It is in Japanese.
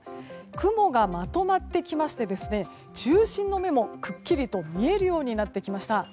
雲がまとまってきまして中心の目もくっきりと見えるようになってきました。